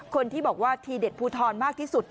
คนที่บอกว่าทีเด็ดภูทรมากที่สุด